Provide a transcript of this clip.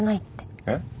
えっ？